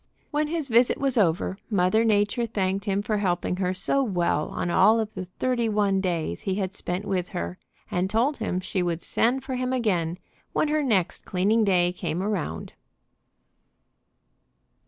When his visit was over Mother Nature thanked him for helping her so well on all of the thirty one days he had spent with her, and told him she would send for him again when her next cleaning day came around.